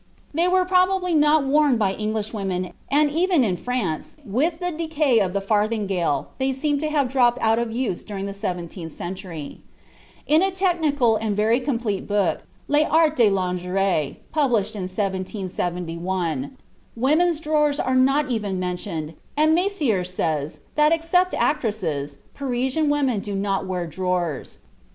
They were probably not worn by Englishwomen, and even in France, with the decay of the farthingale, they seem to have dropped out of use during the seventeenth century. In a technical and very complete book, L'Art de la Lingerie, published in 1771, women's drawers are not even mentioned, and Mercier (Tableau de Paris, 1783, vol. vii, p. 54) says that, except actresses, Parisian women do not wear drawers.